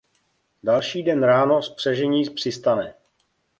Další den ráno spřežení přistane.